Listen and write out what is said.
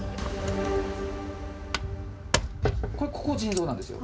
ここ、腎臓なんですよ。